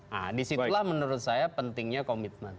nah disitulah menurut saya pentingnya komitmen